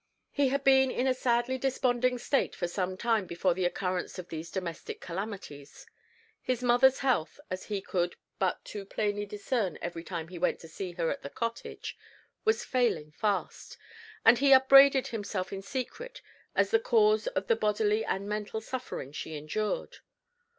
He had been in a sadly desponding state for some time before the occurrence of these domestic calamities. His mother's health, as he could but too plainly discern every time he went to see her at the cottage, was failing fast, and he upbraided himself in secret as the cause of the bodily and mental suffering she endured.